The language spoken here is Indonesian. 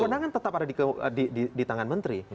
kewenangan tetap ada di tangan menteri